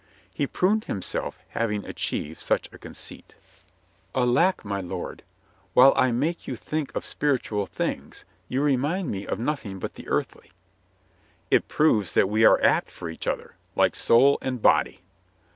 He pruned himself having achieved such a conceit. "Alack, my lord, while I make you think of splr "WHY COME YE NOT TO COURT?" 133 itual things, you remind me of nothing but the earthly." "It proves that we are apt for each other, like soul and body."